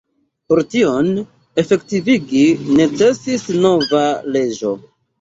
Por tion efektivigi necesis nova leĝo.